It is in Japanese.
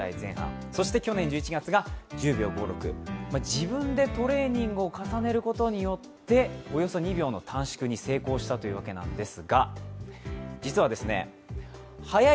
自分でトレーニングを重ねることによっておよそ２秒の短縮に成功したというわけです。